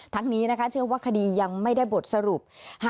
นี้นะคะเชื่อว่าคดียังไม่ได้บทสรุป